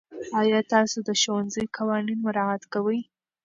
آیا تاسو د ښوونځي قوانین مراعات کوئ؟